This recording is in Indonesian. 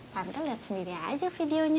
tante lihat sendiri aja videonya